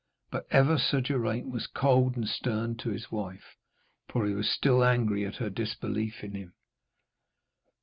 But ever Sir Geraint was cold and stern to his wife, for he was still angry at her disbelief in him.